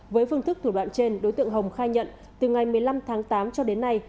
với phương thức thủ đoạn trên đối tượng hồng khai nhận từ ngày một mươi năm tháng tám cho đến nay